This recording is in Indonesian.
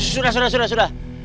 sudah sudah sudah